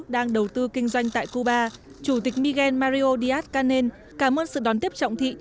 đang đầu tư kinh doanh tại cuba chủ tịch mikel díaz canel cảm ơn sự đón tiếp trọng thị